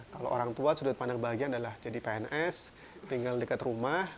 kalau orang tua sudut pandang bahagia adalah jadi pns tinggal dekat rumah